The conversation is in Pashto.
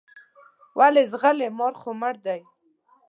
ولې ځغلې مار خو مړ دی.